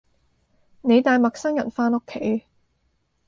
你帶陌生人返屋企